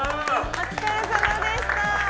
お疲れさまでした。